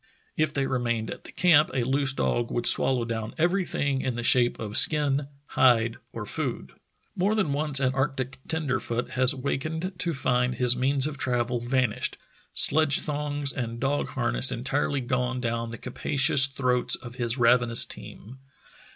If they remained at the camp a loose dog would swallow down everything in the shape of skin, hide, or food. More than once an arctic "tenderfoot" has wakened to find his means of travel vanished — sledge thongs and dog harness entirely gone down the capacious throats of The Saving of Petersen 223 his ravenous team.